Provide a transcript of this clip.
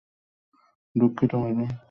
দুঃখিত, ম্যাডাম।